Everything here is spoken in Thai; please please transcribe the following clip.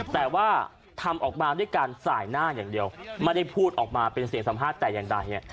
แต่ว่าทำออกมาด้วยการสายหน้าอย่างเดียวไม่ได้พูดออกมาเป็นเสียงสัมภาษณ์แต่อย่างใด